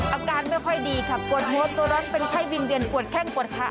อาการไม่ค่อยดีค่ะปวดหัวตัวร้อนเป็นไข้บินเดือนปวดแข้งปวดขา